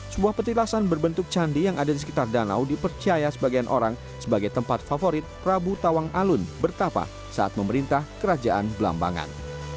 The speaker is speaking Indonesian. sebuah petilasan berbentuk candi yang ada di sekitar danau dipercaya sebagian orang sebagai tempat favorit prabu tawang alun bertapa saat memerintah kerajaan belambangan